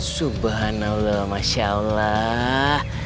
subhanallah masya allah